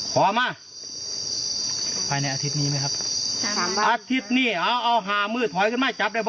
ขอมาภายในอาทิตย์นี้ไหมครับอาทิตย์นี้เอาเอาห้ามืดถอยขึ้นมาจับได้บ